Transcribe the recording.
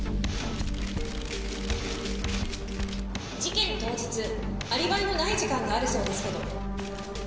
事件当日アリバイのない時間があるそうですけど？